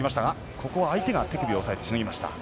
ここは相手が手首を抑えてしのぎました。